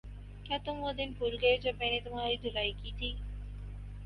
کیا تم وہ دن بھول گئے جب میں نے تمہاری دھلائی کی تھی